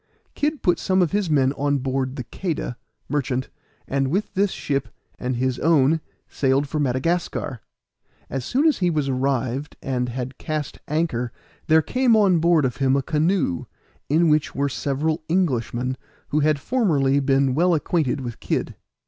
Kid put some of his men on board the Queda, merchant, and with this ship and his own sailed for Madagascar. As soon as he was arrived and had cast anchor there came on board of him a canoe, in which were several Englishmen who had formerly been well acquainted with Kid.